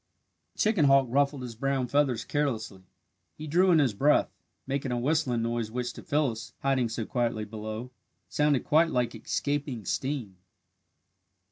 The chicken hawk ruffled his brown feathers carelessly. He drew in his breath, making a whistling noise which to Phyllis, hiding so quietly below, sounded quite like escaping steam.